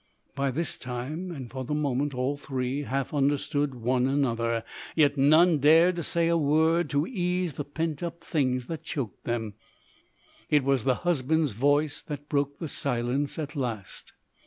By this time and for the moment all three half understood one another. Yet none dared say a word to ease the pent up things that choked them. It was the husband's voice that broke the silence at last.